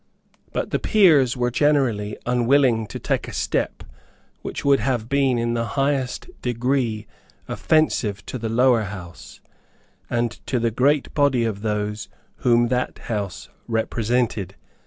But the Peers were generally unwilling to take a step which would have been in the highest degree offensive to the Lower House, and to the great body of those whom that House represented.